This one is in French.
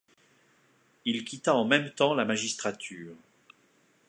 Il quitta en même temps la magistrature.